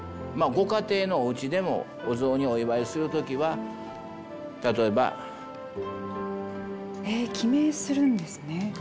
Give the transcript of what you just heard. まあご家庭のおうちでもお雑煮お祝いする時は例えば。え記名するんですね。